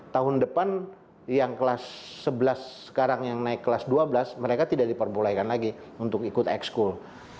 tahun depan yang kelas sebelas sekarang yang naik kelas dua belas mereka tidak diperbolehkan lagi untuk ikut ex school